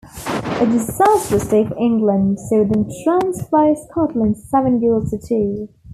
A disastrous day for England saw them trounced by Scotland seven goals to two.